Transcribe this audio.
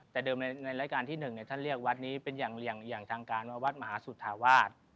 แต่เดิมในรายการที่๑ท่านเรียกวัดนี้เป็นอย่างทางการว่าวัดมหาสุธาวาส